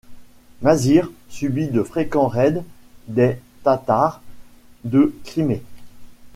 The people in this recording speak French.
Mazyr subit de fréquents raids des Tatars de Crimée.